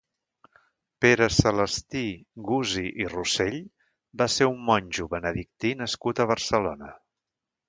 Pere Celestí Gusi i Rossell va ser un monjo benedictí nascut a Barcelona.